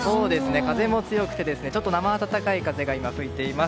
風も強くてちょっと生暖かい風が今、吹いています。